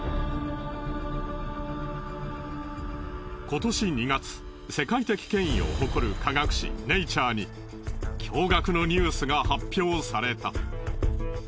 今年２月世界的権威を誇る科学誌『ｎａｔｕｒｅ』に驚がくのニュースが発表された。